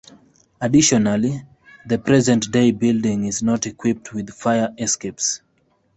Additionally, the present day building is not equipped with fire escapes.